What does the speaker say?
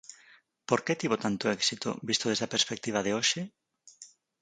Por que tivo tanto éxito, visto desde a perspectiva de hoxe?